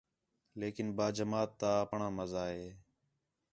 لیکن با جماعت آپݨاں مزہ ہے